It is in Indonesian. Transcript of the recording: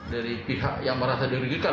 dari pihak yang merasa dirugikan